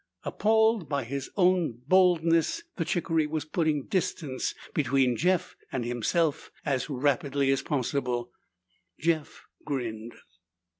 Appalled by his own boldness, the chickaree was putting distance between Jeff and himself as rapidly as possible. Jeff grinned.